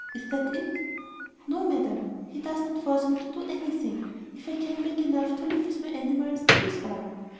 Is that it?" "No, madam, he does not force me to do anything. If I can make enough to live with my animals, that is all."